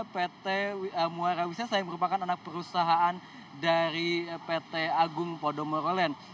pt muara wisnesa yang merupakan anak perusahaan dari pt agung podomorolen